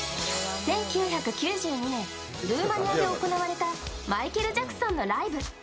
１９９２年、ルーマニアで行われたマイケル・ジャクソンのライブ。